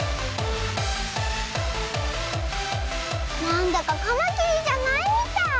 なんだかカマキリじゃないみたい。